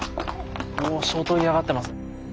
もう相当嫌がってます。